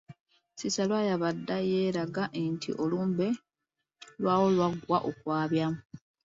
Ensiisira Lwayabadda y’eraga nti olumbe lwawo lwaggwa okwabya.